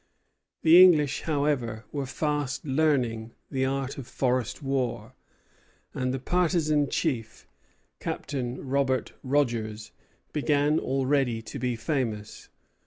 The English, however, were fast learning the art of forest war, and the partisan chief, Captain Robert Rogers, began already to be famous.